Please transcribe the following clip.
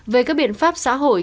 về các biện pháp xã hội